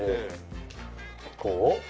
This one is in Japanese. こう？